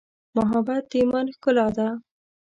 محبت د ایمان ښکلا ده.